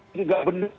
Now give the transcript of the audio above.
ini tidak benar